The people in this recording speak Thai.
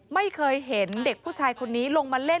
ไม่เคยเห็นเด็กผู้ชายคนนี้ลงมาเล่น